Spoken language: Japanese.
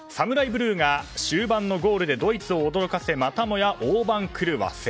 ブルーが終盤のゴールでドイツを驚かせまたもや大番狂わせ。